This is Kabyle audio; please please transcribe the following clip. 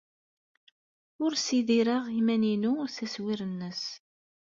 Ur ssidireɣ iman-inu s aswir-nnes.